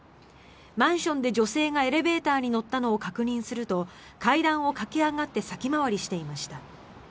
マンションで女性がエレベーターに乗ったのを確認すると階段を駆け上がって先回りしていました。